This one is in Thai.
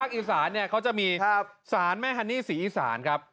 อีสานเนี่ยเขาจะมีสารแม่ฮันนี่ศรีอีสานครับ